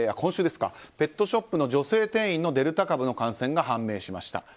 ペットショップの女性店員のデルタ株の感染が判明しました。